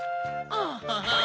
アハハン！